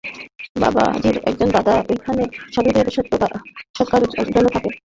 বাবাজীর একজন দাদা ঐখানে সাধুদের সৎকারের জন্য থাকে, সেই স্থানেই ভিক্ষা করিব।